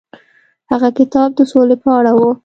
هغه کتاب د سولې په اړه و.